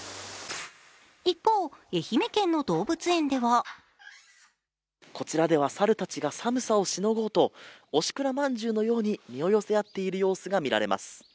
一方、愛媛県の動物園ではこちらでは猿たちが寒さをしのごうとおしくらまんじゅうのように身を寄せ合っている様子が見られます。